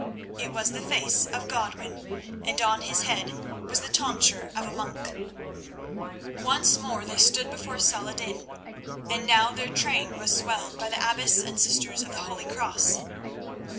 It was the face of Godwin, and on his head was the tonsure of a monk. Once more they stood before Saladin, and now their train was swelled by the abbess and sisters of the Holy Cross.